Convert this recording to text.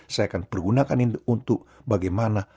saya akan pergunakan ini untuk bagaimana